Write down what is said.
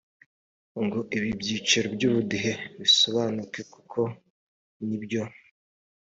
ngo ibi byiciro by’ubudehe bisobanuke kuko ni byo